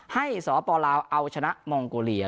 สปลาวเอาชนะมองโกเลีย